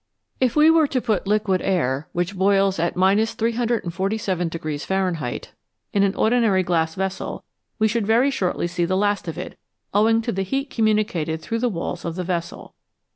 If we were to put liquid air, which boils at 347 Fahrenheit, in an ordinary glass vessel we should very shortly see the last of it, owing to the heat communicated through the walls of the vessel.